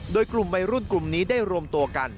โดยกลุ่มวัยรุ่นกลุ่มนี้ได้รวมตัวกัน